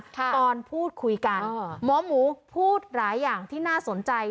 ตอนพูดคุยกันหมอหมูพูดหลายอย่างที่น่าสนใจ